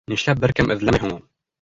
Нишләп бер кем эҙләмәй һуң ул?